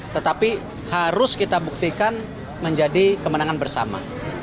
tetapi harus kita buktikan menjadi kemenangan bersama